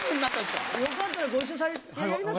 よかったらご一緒やります？